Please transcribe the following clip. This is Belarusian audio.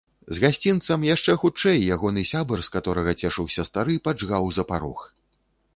З гасцінцам яшчэ хутчэй ягоны сябар, з каторага цешыўся стары, паджгаў за парог.